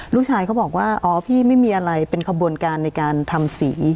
เขาบอกว่าอ๋อพี่ไม่มีอะไรเป็นขบวนการในการทำสี